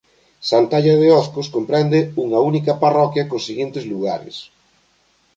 Santalla de Ozcos comprende unha única parroquia cos seguintes lugares.